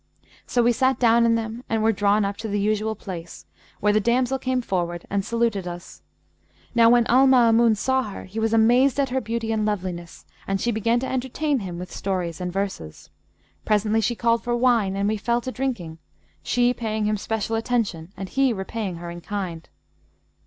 So we sat down in them and were drawn up to the usual place, where the damsel came forward and saluted us. Now when Al Maamun saw her, he was amazed at her beauty and loveliness; and she began to entertain him with stories and verses. Presently, she called for wine and we fell to drinking she paying him special attention and he repaying her in kind.